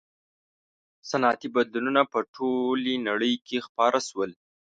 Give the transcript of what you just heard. • صنعتي بدلونونه په ټولې نړۍ کې خپاره شول.